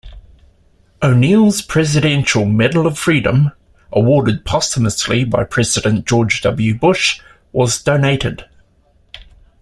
O'Neil's Presidential Medal of Freedom-awarded posthumously by President George W. Bush-was donated.